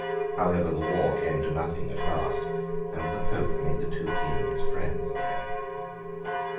However, the war came to nothing at last, and the Pope made the two Kings friends again.